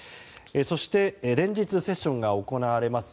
そして、連日セッションが行われます